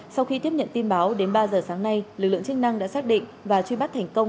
sau khi tiếp nhận tin báo đến ba giờ sáng nay lực lượng chức năng đã xác định và truy bắt thành công